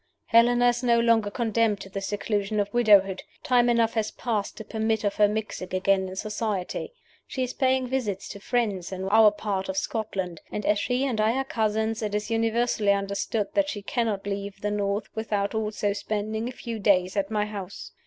"Helena is no longer condemned to the seclusion of widowhood. Time enough has passed to permit of her mixing again in society. She is paying visits to friends in our part of Scotland; and, as she and I are cousins, it is universally understood that she cannot leave the North without also spending a few days at my house.